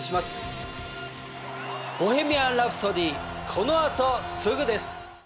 この後すぐです。